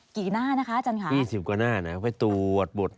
กี่หน้านะคะอาจารย์ขาว๒๐กว่าน่านะไปตรวจ